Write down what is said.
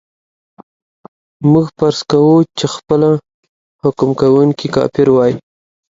موږ فرض کوو چې خپله حکم کوونکی کافر وای.